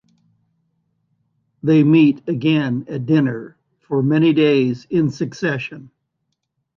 They meet again at dinner, for many days in succession.